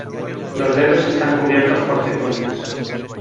Los dedos están cubiertos por pezuñas.